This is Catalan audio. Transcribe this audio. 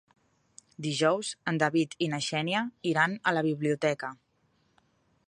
Dijous en David i na Xènia iran a la biblioteca.